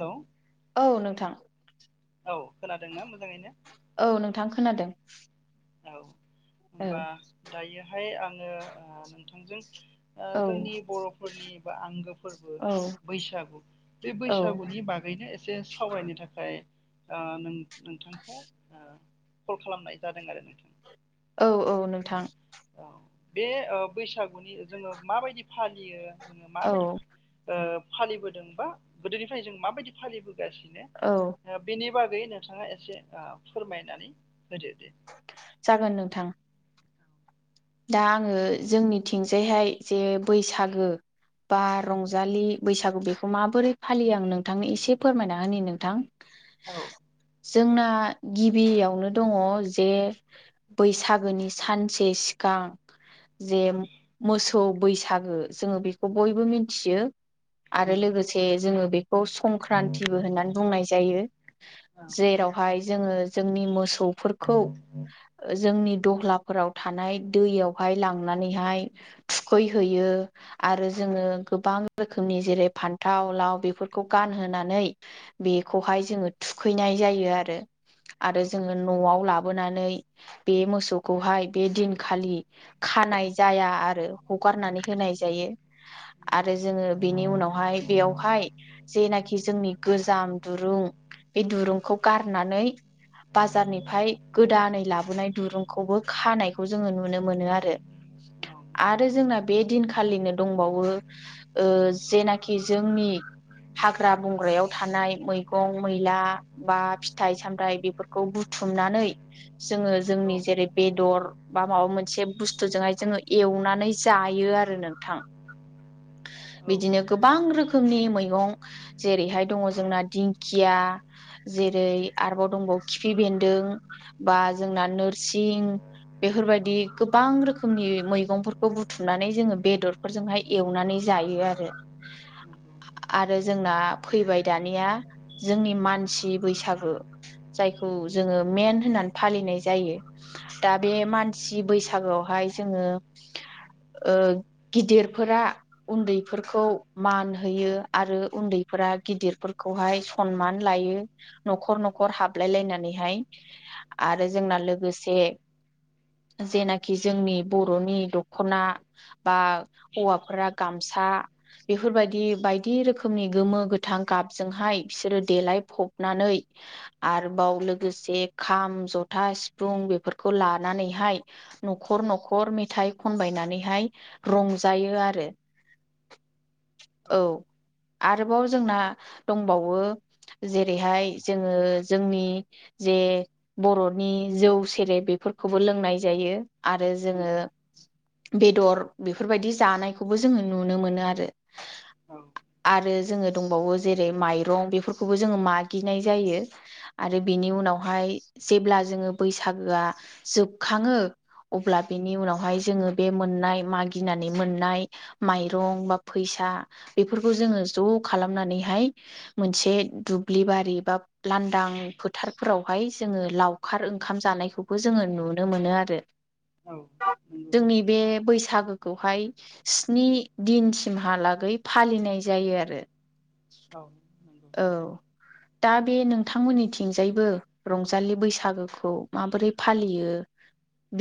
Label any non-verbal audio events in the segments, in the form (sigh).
Hello. औ नोंथां। औ खोनादों ना मोजाङैनो? थां खोनादों। औ औ होनबा दायोहाय आंङो ओ नोंथांजों ओ औ जोंनि बर'फोरनि बा आंगो फोरबो औ बैसागु बे औ बैसागुनि बागैनो एसे सावरायनो थाखाय ओ नों-नोंथांखौ ओ कल खालामनाय जादों आरो नों औ औ नोंथां। औ बे अ' बैसागुनि जोङो माबायदि फालियो जोङो औ माबायदि फा ओ फालिबोदोंबा गोदोनिफ्राय जों माबायदि फालिबोगासिनो औ ओ बेनि बागै नोंथाङा एसे ओ फोरमायनानै होदो दे। जागोन नोंथां। दा आंङो जोंनिथिंजायहाय जे बैसागो बा रंजालि बैसागु बेखौ माबोरै फालियो आं नोंथांनो एसे फोरमायना होनि नोंथां। औ। जोंना गिबियावनो दङ जे बैसागोनि सानसे सि गां जे मोसौ बैसागो जोङो बेखौ बयबो मिथियो। आरो लोगोसे जोङो खौ संक्रान्तबो होननानै बुंनाय जायो औ नंगौ जेरावहाय जोङो जोंनि मोसौफोरखौ जोंनि दहालाफोराव थानाय दैयावहाय लांनानैहाय थुखैहोयो आरो जोङो गोबां रोखोमनि जेरै फान्थाव लाव बेफोरखौ गानहोनानै बेखौहाय जोङो थुखैनाय जायो आरो। औ आरो जोङो न'आव लाबोनानै बे मोसौखौहाय बे दिन खालि खानाय जाया आरो हगारनानै होनाय जायो आरो जोङो बेनि उनावहाय बेयावहाय जेनाखि जोंनि गोजाम दुरुं बे दुरुंखौ गारनानै बाजारनिफ्राय गोदानै लाबोनाय दुरुंखौबो खानायखौ जोङो नुनो मोनो आरो। औ आरो नंगौ औ नंगौ जोंना बे दिनखालिनो दंबावो ओ जेनाखि जोंनि हाग्रा बंग्रायाव थानाय मैगं मैला बा फिथाइ सामथाय बेफोरखौ बुथु थुमनानै जोङो जोंनि जेरै बेदर बा माबा मोनसे बुस्थुजोंहाय जोङो एवनानै जायो आरो नोंथां। (inaudible) बिदिनो गोबां रोखोमनि मैगं जेरैहाय दङ जोंना दिंखिया जेरै आरोबाव दंबावो खिफि बेन्दों बा जोंना नोरसिं बेफोरबायदि गोबां रोखोमनि मैगंफोरखौ बुथुमनानै जोङो बेदरफोरजोंहाय एवनानै जा यो आरो। (inaudible) आरो जोंना फैबाय दानिया जोंनि मानसि बैसागो जायखौ जोङो मेन होननानै फालिनाय जायो दा बे मानसि बैसागोआवहाय जोङो ओ गिदिरफोरा उन्दैफोरखौ मान होयो आरो उन्दैफोर फोरा गिदिरफोरखौहाय सनमान लायो, न'खर न'खर हाबलाय लायनानैहाय। आरो जोंना लोगोसे (inaudible) जेनाखि जोंनि बर'नि दख'ना बा हौवाफोरा गामसा। बेफोरबायदि बायदि रोखोमनि गोमो गोथां गाबजोंहाय बिसोरो देलाय फबनानै आरोबाव लोगोसे खाम ज'था सिफुं बेफोर खौ लानानैहाय न'खर न'खर मेथाइ खनबायनानैहाय रंजायो आरो। (unintelligible) (unintelligible) औ आरोबाव जोंना दंबावो। जेरैहाय जोङो जोंनि जे बर'नि जौ सेरेब बेफोरखौबो लोंनाय जायो, आरो जोङो बेदर बेफोरबायदि जानायखौबो जोङो नुनो मोनो आरो। औ आरो जोङो दंबावो जेरै माइरं बेफोरखौबो जोङो मागिनाय जायो आरो बिनि उनाव हाय जेब्ला जोङो बैसागोआ जोबखाङो। अब्ला बेनि उनावहाय जोङो बे मोननाय मागिनानै मोननाय माइरं बा फैसा सा बेफोरखौ जोङो ज' खालामनानैहाय मोनसे दुब्लि बारि बा लांदां फोथारफोरावहाय जोङो लावखार ओंखाम जानायखौ जोङो नुनो मोनो आरो, जोंनि बे बैसागो खौहाय स्नि दिनसिमहालागै फालिनाय जायो आरो। औ नंगौ। औ दा बे नोंथांमोननिथिंजायबो रंजालि बैसागोखौ माबोरै फालियो?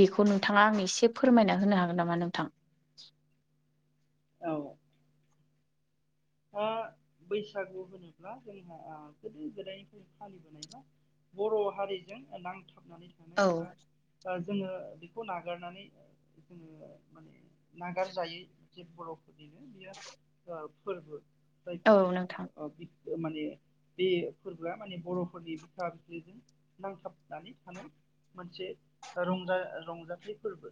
बेखौ नोंथाङा आं एसे फोरमायना होनो हागोन नामा नोंथां? औ ओ बैसागु होनोब्ला जोंहा गोदो गोदायनिफ्राय फालिबोनाय बा‌ बर' हारिजों नांथाबनानै थानाय औ एबा ओ जोङो बेखौ नागारनानै जोङो माने नागारजायै जे बर' बेनो बेयो फोरबो जायखौ औ नोंथां जोङो बुं माने बे फोरबोआ माने बर'फोरनि बिखा बिख्लोजों नांथाबनानै थानो। मोनसे रंजा रंजाथाइ फोरबो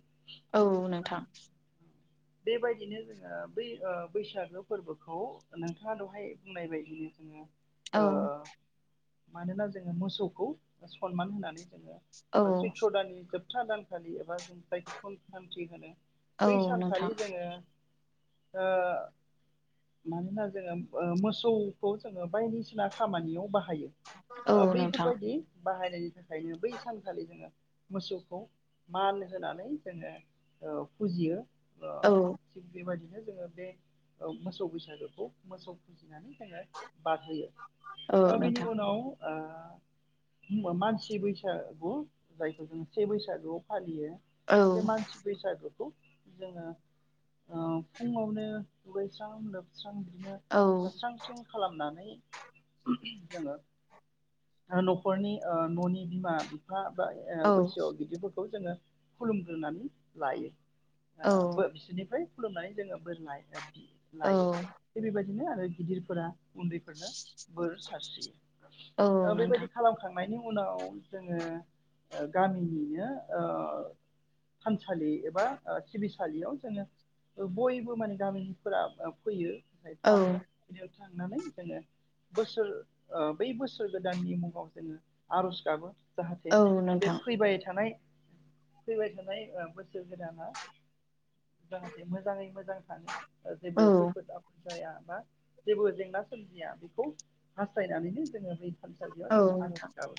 औ आं नोंथां। बेबायदिनो जोङो बै बैसागु फोरबोखौ नोंथाङा दहाय बुंनाय बायदिनो जोङो ओ औ मानोना जोङो मोसौखौ सनमान होनानै जोङो औ ओ सैथ्र दानि जोब सपथा दानखालि एबा जों जायखौ संख्रान्थि होनो औ बै सानखालि नोंथां जोङो ओ मानोना जोङो ओ मोसौखौ जोङो बायदिसिना खामानियाव बाहाय औ बाहायो नोंथां बैफोरबायदि बाहायनायनि थाखायनो बै सानखालि जोङो। मोसौखौ मान होनानै जोङो ओ फुजियो ओ औ थिग बेबायदिनो जोङो बे मोसौ बैसागोखौ मोसौ फुजिनानै जोङो बादहोयो औ ओ बेनि नोंथां उनाव ओ मानसि बैसागु जायखौ जोङो से बैसागुआव फालियो। औ बे मानसि बैसागुखौ जोङो ओ फुङावनो दुगैस्रां लोबस्रां बिनो औ जोबस्रां स्रिं खालामनानै जोङो ओ न'खरनि न'नि बिमा बिफा बा ओ औ बैसोआव गिदिरफोरखौ जोङो खुलुमग्रोनानै लायो बा बो औ बिसोरनिफ्राय खुलुमनानै जोङो बोर औ लायो थि बेबायदि आरो गिदिरफोरा उन्दैफोरनो बोर औ सारस्रियो नोंथां बेबायदि खालामखां खांनायनि उनाव (inaudible) फोरा फैयो ओमफ्राय औ थाङो बेयाव थांनानै जोङो बोसोर ओ जाहाथे औ बे नोंथां फैबाय (unintelligible) फैबाय थानाय ओं बोसोर गोदाना ओ‌ जेबो औ खैफोद जाया बा जेबो जेंना सोमजिया बेखौ हास्थायनानैनो जोङो थानसालियाव औ जोङो आरज गाबो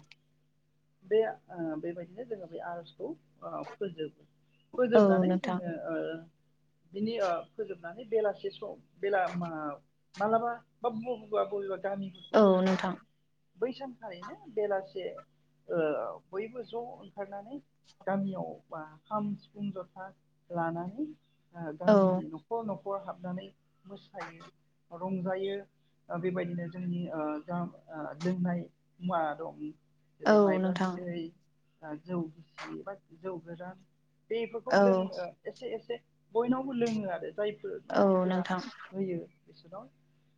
बे आ‌‌ फोजोबनानै नोंथां जोङो ओ बिनि ओ‌ फोजोब नानै बेलासे सम बेला मालाबा बा बबा बबेबा गामिखु (unintelligible) औ जोङो नुनो नोंथां मोनो बै सानखालिनो बेलासे ओ‌ बयबो ज ओंखारनानै गामियाव बा खाम सिफुं जथा लानानै ओ औ नोंथां औ गामिनि नख नखर हाबनानै मोसायो रंजायो बेबायदिनो जोंनि ओ जा लोंनाय मुवा दं जेरै औ मायब्रा नोंथां बिदै जौ गिसि बा जौ गोरान बेफोरखौ औ लोङो एसे एसे बयनावबो लोङो आरो जायफोर औ नखरफोरा नोंथां होयो बिसोराव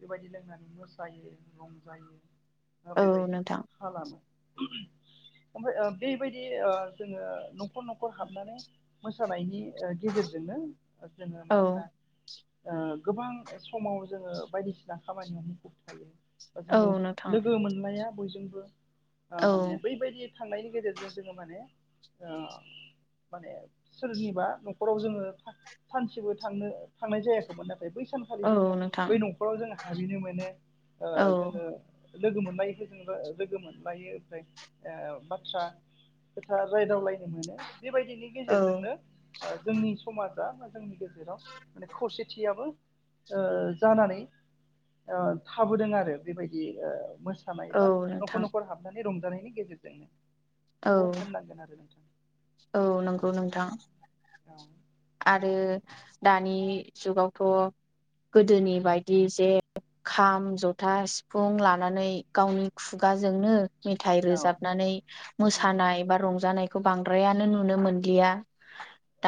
बेबायदि लोंनानै मोसायो रंजायो औ बेबायदि नोंथां खालामो ओमफ्राय ओ बेबायदि ओ जोङो नखर नखर हाबनानै मोसा (unintelligible) मोसानायनि ओ गेजेरजोंनो जोङो औ मानोना ओ गोबां समाव जोङो बायदिसिना खामानियाव मुखुब थायो। बा औ जोङो नोंथां लोगो मोनलाया बयजोंबो आ औ माने बैबायदि थांनायनि गेजेरजों जोङो माने आ माने सोरनिबा नखराव जोङो सानसेबो थांनो थांनाय जायाखैमोन आरो बै सानखालि औ जोङो नोंथां बै नखराव जोङो हाबैनो मानो ओ औ जोङो लोगो (unintelligible) खोथा रायदाव लायो मोनो बेबायदिनि औ गेजेरजोंनो ओ जोंनि समाजा बा जोंनि गेजेराव माने खौसेथियाबो ओ जानानै ओ‌ थाबोदों आरो बेबायदि आओ मोसानाय औ बा नोंथां न'खर न'खर हाबनानै रंजानायनि गेजेरजोंनो औ बेखौ होननांगोन आरो नोंथां औ नंगौ नोंथां औ आरो दानि जुगावथ गोदोनि बायदि जे खाम जथा सिफुं लानानै गावनि खुगा बाजोंनो मेथाइ औ रोजाबनानै नंगौ मोसानाय बा रंजानायखौ बांद्रायानो नुनो मोनलिया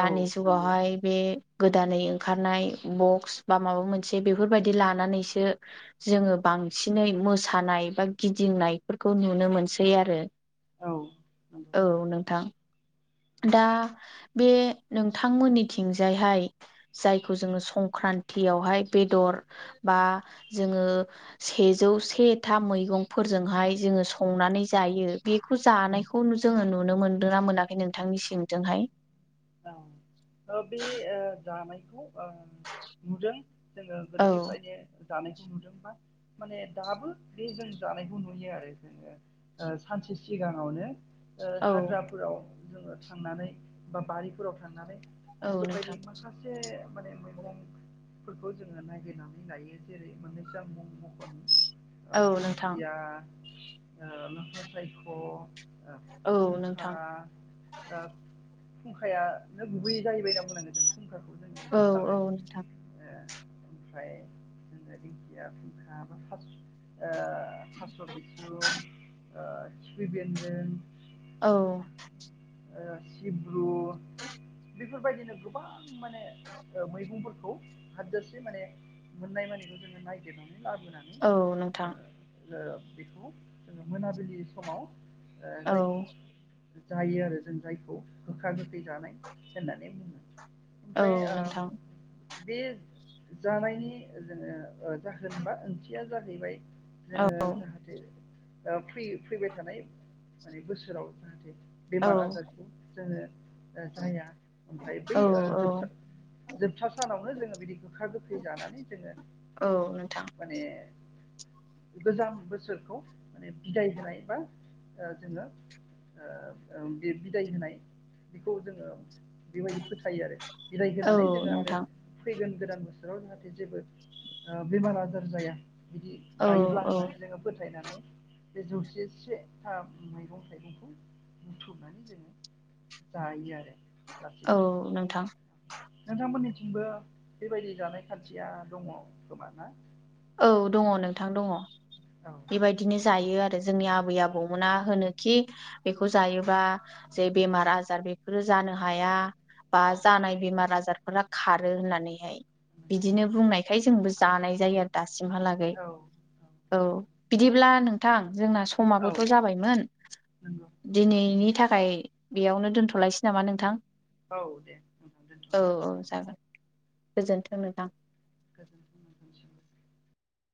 औ नंगौ जुगावहाय बे गोदानै ओंखारनाय बक्स बा माबा मोनसे बेफोरबायदि लानानैसो जोङो (unintelligible) बांसिनै मोसानाय बा गिदिंनायफोरखौ नुनो मोनसै आरो औ नंगौ (unintelligible) औ नोंथां दा बे नोंथांमोननिथिंजायहाय जायखौ जोङो संक्रान्त (unintelligible) न्ति यावहाय बेदर बा जोङो सेजौ से था मैगं फोरजोंहाय जोङो संनानै जायो बेखौ औ जानायखौ जोङो नुनो मोनदों ना मोनाखै नों (unintelligible) नोंथांनि सिंजोंहाय औ बे ओ जानायखौ ओ नुदों जोङो औ गोदोनिफ्रायनो जानायखौ नुदों बा माने दाबो बे जों जानायखौ नुयो आरो जों ओ सानसे सिगाङावनो ओ औ हाग्राफोराव जोङो थांनानै बा बारिफोराव थांनानै औ बेफोरबायदि नोंथां माखासे माने मैगंफोरखौ जोङो नागिरनानै लायो जेरै मोननैसो‌‌ आं मुं मखनाय औ नोंथां दिंखिया‌‌ ओ लाफा साइख ओ औ फुंखा नोंथां ओ फुंखाया नो गुबैयै जाहैबाय होनना बुंनांगोन जों फुंखाखौ जोङो औ होथारो। औ नोंथां ओमफ्राय। (unintelligible) ओ थास' बिसुं खिफि बेन्दों। औ। ओ सिब्रु। बेफोरबायदिनो गोबां माने ओ मैगंफोरखौ हाजासे माने। मोननाय मानिखौ जोंङो नायागिरनानै लाबो। औ नोंथां। ओ बेखौ जोङो मोनाबिलि समाव ओ औ जायख जायो आरो जों जायखौ गोखा गोखै जानाय होननानै बुङो। औ ओमफ्राय ओ नोंथां। बे जानायनि जोंङो जाहोन बा ओंथिया जाहैबाय। औ जोङो जाहाथे ओ फै फैबाय थानाय माने बोसोराव जाहाथे। औ बेमार आजारखौ जोंङो ओ जाया ओमफ्राय बै ओ औ जोबथा। जोबथा सानावनो जोंङो बिदि गोखा गोखै जानानै जोंङो। औ नोंथां। गोजाम बोसोरखौ माने बिदाय होनाय बा ओ जोंङो। ओ ओ बे बिदाय होनाय बेखौ जोंङो। बेबायदि फोथायो आरो बिदाय औ होनानै जोङो आरो नोंथां फैगोन। गोदान बोसोराव जाहाथे जेबो ओ बेमार आजार जाया। बिदि औ जायोब्ला औ होननानै जोङो फोथायनानै। बे जौसे से था मैगं थाइगंखौ बुथुमनानै। जायो आरो औ दासिमबो नोंथां नोंथांमोननिथिं। बो बेबायदि जानाय खान्थिया दङ खोमाना। औ दङ नोंथां दङ औ बेबायदिनो जायो आरो। जोंनि आबै आबौमोना होनो खि बेखौ जायोबा जे बेमार आजार बेफोर जा जानो हाया बा औ जानाय बेमार आजार। नखरा खारो होननानैहाय नंगौ बिदिनो बुंनायखाय जोंबो जानाय जायो आरो। दासिमहालागै औ औ नंगौ बिदिब्ला नोंथां। जोंना औ समाबोथ' जाबायमोन नंगौ दिनैनि थाख फ्राय बेयावनो दोनथ'लायसै नामा नोंथां। औ दे दोनथ'नोसै बेयाव। गोजोनथों नोंथां। गोजोनथों नोंथांनिसिम।